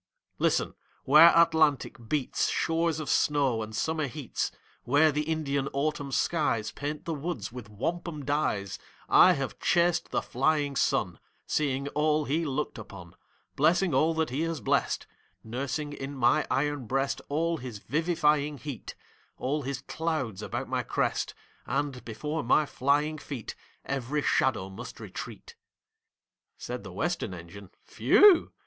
"Listen! Where Atlantic beats Shores of snow and summer heats; Where the Indian autumn skies Paint the woods with wampum dyes,— I have chased the flying sun, Seeing all he looked upon, Blessing all that he has blessed, Nursing in my iron breast All his vivifying heat, All his clouds about my crest; And before my flying feet Every shadow must retreat." Said the Western Engine, "Phew!"